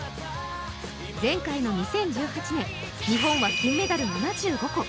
前回の２０１８年、日本は金メダル７５個。